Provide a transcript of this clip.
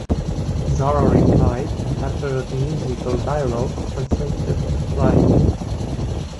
Zara replied, and, after a musical dialogue, consented to fly.